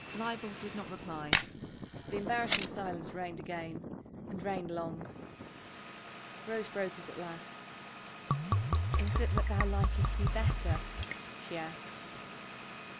Leibel did not reply. The embarrassing silence reigned again, and reigned long. Rose broke it at last. "Is it that thou likest me better?" she asked.